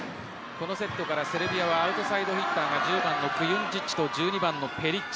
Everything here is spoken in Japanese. このセットからセルビアはアウトサイドヒッターが１０番のクユンジッチと１２番のペリッチ。